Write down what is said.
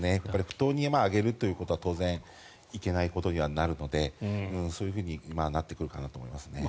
不当に上げるということは当然いけないことになるのでそういうふうになってくるかなと思いますね。